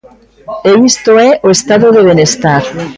E isto é o estado de benestar.